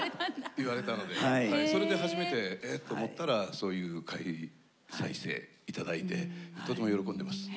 言われたのでそれで初めてえっ？と思ったらそういう回再生頂いてとても喜んでます。